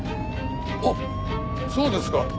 あっそうですか。